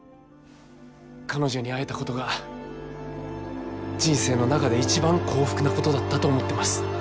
彼女に会えたことが人生の中で一番幸福なことだったと思ってます。